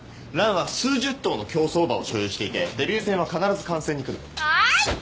ランは数十頭の競走馬を所有していてデビュー戦は必ず観戦に来る。